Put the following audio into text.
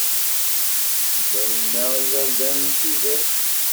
Semlalen-aɣ iberdan n tudert.